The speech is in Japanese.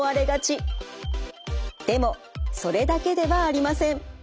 でもそれだけではありません。